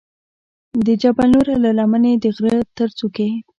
د جبل نور له لمنې د غره تر څوکې.